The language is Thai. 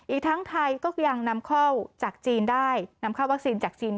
อีกทั้งไทยก็ยังนำเข้าวัคซีนจากจีนได้